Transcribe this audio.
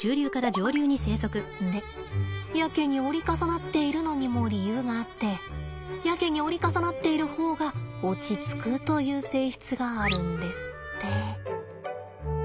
でやけに折り重なっているのにも理由があってやけに折り重なっている方が落ち着くという性質があるんですって。